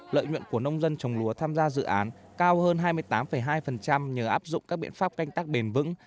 lợi nhuận của nông dân trồng lúa tham gia dự án cao hơn hai mươi tám hai nhờ áp dụng các biện pháp canh tác bền vững